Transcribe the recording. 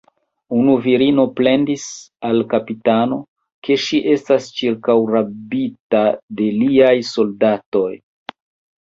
Unu virino plendis al kapitano, ke ŝi estas ĉirkaŭrabita de liaj soldatoj.